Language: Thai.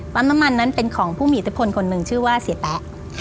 น้ำมันนั้นเป็นของผู้มีอิทธิพลคนหนึ่งชื่อว่าเสียแป๊ะ